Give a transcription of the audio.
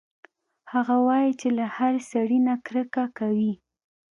هغه وايي چې له هر سړي نه کرکه کوي